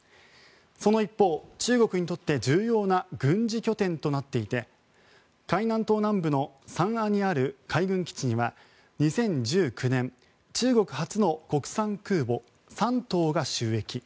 その一方、中国にとって重要な軍事拠点となっていて海南島南部の三亜にある海軍基地には２０１９年、中国初の国産空母「山東」が就役。